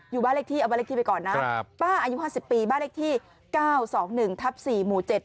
บ้านเลขที่เอาบ้านเลขที่ไปก่อนนะป้าอายุ๕๐ปีบ้านเลขที่๙๒๑ทับ๔หมู่๗